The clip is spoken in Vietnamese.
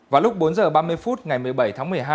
vào lúc bốn h ba mươi phút ngày một mươi bảy tháng một mươi hai